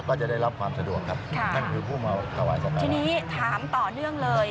ก็จะได้รับความสะดวกครับที่นี่ถามต่อเรื่องเลย